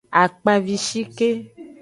Akpavishike.